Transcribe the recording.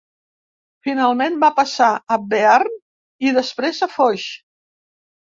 Finalment va passar a Bearn i després a Foix.